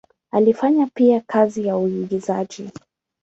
Alifanya pia kazi ya uigizaji.